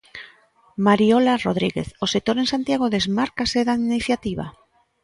Mariola Rodríguez, o sector en Santiago desmárcase da iniciativa?